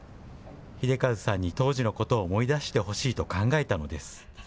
秀和さんに当時のことを思い出してほしいと考えたのです。